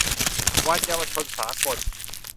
วันเยาวชนสากล